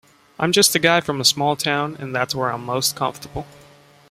I'm just a guy from a small town and that's where I'm most comfortable.